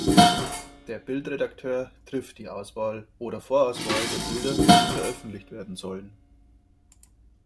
Der Bildredakteur trifft die Auswahl oder Vorauswahl der Bilder, die veröffentlicht werden sollen.